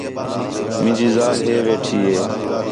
مینجی ذال ہیں ویٹھی ہِے